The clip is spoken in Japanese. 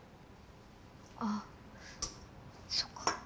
あそっか。